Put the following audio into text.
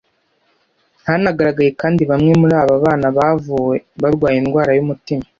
Hanagaragaye kandi bamwe muri aba bana bavuwe barwaye indwara y’umutima